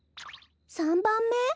３ばんめ？